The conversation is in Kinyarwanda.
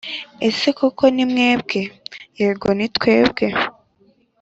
ase koko nimwebwe yego nitwebwe